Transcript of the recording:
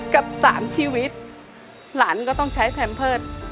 กับสามชีวิตหลานก็ต้องใช้แทนเพิศ